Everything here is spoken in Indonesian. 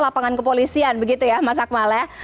lapangan kepolisian begitu ya mas akmal ya